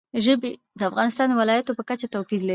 ژبې د افغانستان د ولایاتو په کچه توپیر لري.